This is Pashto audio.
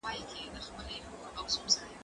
زه به سبا ته فکر کړی وي